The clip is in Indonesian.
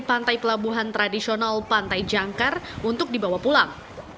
pantai pelabuhan tradisional pantai jangkar untuk dibawa pulang